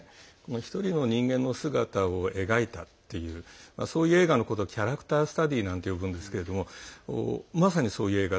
１人の人間の姿を描いたというそういう映画のことをキャラクター・スタディーなんて呼ぶんですけどまさにそういう映画。